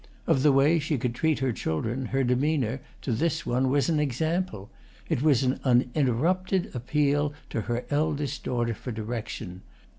Of the way she could treat her children her demeanour to this one was an example; it was an uninterrupted appeal to her eldest daughter for direction.